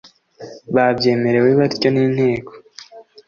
Babyemerewe batyo n inteko